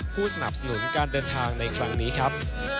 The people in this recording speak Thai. ผู้สนับสนุนการเดินทางในครั้งนี้ครับ